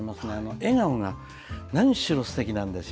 笑顔が何しろすてきなんですよ。